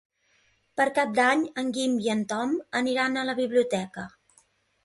Per Cap d'Any en Guim i en Tom aniran a la biblioteca.